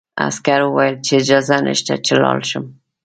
عسکر وویل چې اجازه نشته چې لاړ شم.